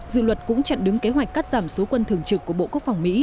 dự luật cũng chặn đứng kế hoạch cắt giảm số quân thường trực của bộ quốc phòng mỹ